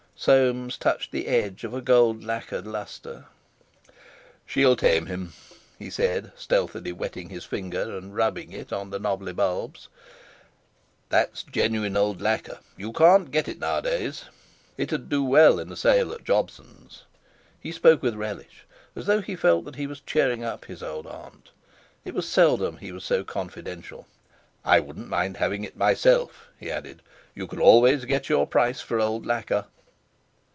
Soames touched the edge of a gold lacquered lustre. "She'll tame him," he said, stealthily wetting his finger and rubbing it on the knobby bulbs. "That's genuine old lacquer; you can't get it nowadays. It'd do well in a sale at Jobson's." He spoke with relish, as though he felt that he was cheering up his old aunt. It was seldom he was so confidential. "I wouldn't mind having it myself," he added; "you can always get your price for old lacquer."